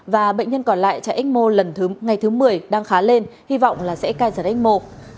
và bệnh nhân còn lại chạy ếch mô lần thứ một mươi đang khá lên hy vọng là sẽ cai giật ếch mô